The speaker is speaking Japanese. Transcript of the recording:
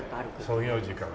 創業時から。